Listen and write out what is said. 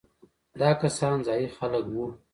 دا کسان ځايي خلک وو.